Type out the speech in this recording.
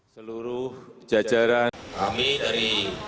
seluruh jajaran kami dari